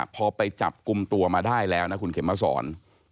พอไปจับกลุ่มตัวมาได้แล้วนะคุณเข็มมาสอน